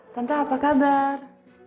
tante apa kabar